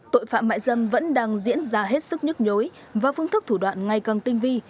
tội phạm mại dâm vẫn đang diễn ra hết sức nhức nhối và phương thức thủ đoạn ngày càng tinh vi